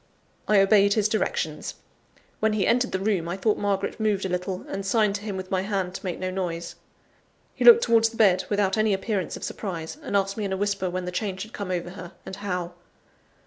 I obeyed his directions. When he entered the room, I thought Margaret moved a little, and signed to him with my hand to make no noise. He looked towards the bed without any appearance of surprise, and asked me in a whisper when the change had come over her, and how.